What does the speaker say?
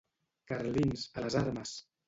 Carlins, a les armes!